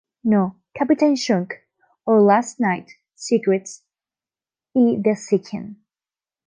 No, Captain Chunk!, Our Last Night, Secrets, y The Seeking.